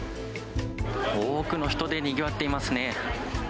多くの人でにぎわっていますね。